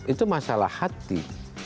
itu masalah hati